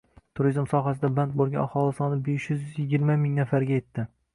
turizm sohasida band bo‘lgan aholi soni besh yuz yigirma ming nafarga yetkaziladi.